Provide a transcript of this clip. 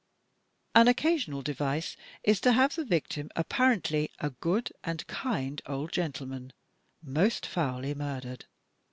An occasional device is to have the victim apparently a good and kind old gentleman, most foully murdered.